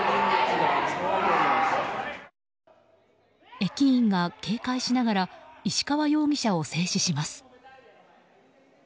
駅員が警戒しながら石川容疑者を静止します。